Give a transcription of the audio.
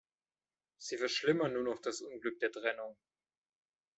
Sie verschlimmern nur noch das Unglück der Trennung.